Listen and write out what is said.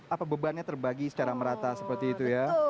apa bebannya terbagi secara merata seperti itu ya